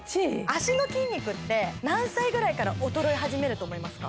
脚の筋肉って何歳ぐらいから衰え始めると思いますか？